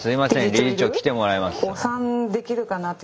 理事長来てもらえますかって。